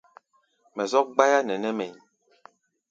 Mɛ zɔ́k gbáyá nɛ nɛ́ mɛ̧ʼí̧.